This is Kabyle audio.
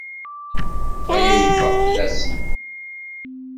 Aya yeffeɣ fell-asen.